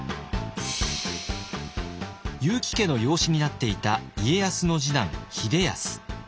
結城家の養子になっていた家康の次男秀康。